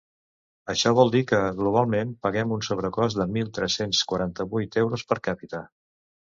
Això vol dir que, globalment, paguem un sobrecost de mil tres-cents quaranta-vuit euros per capita.